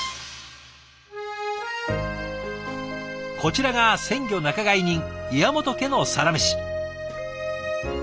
こちらが鮮魚仲買人岩本家のサラメシ。